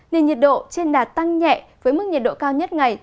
nên nhiệt độ trên đà tăng nhẹ với mức nhiệt độ cao nhất ngày